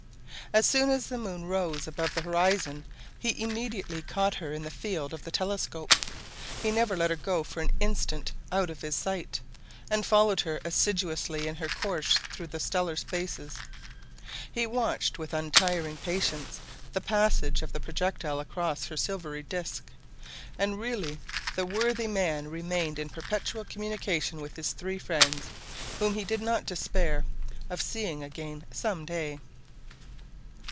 As soon as the moon rose above the horizon, he immediately caught her in the field of the telescope; he never let her go for an instant out of his sight, and followed her assiduously in her course through the stellar spaces. He watched with untiring patience the passage of the projectile across her silvery disc, and really the worthy man remained in perpetual communication with his three friends, whom he did not despair of seeing again some day.